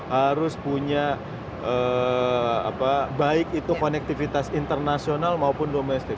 harus punya baik itu konektivitas internasional maupun domestik